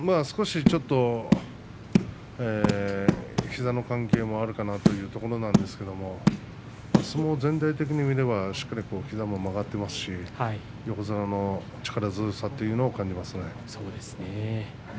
少しちょっと膝の関係もあるかなというところなんですけれど相撲全体的に見ると左膝も曲がっていますし横綱の力強さというものを感じますね。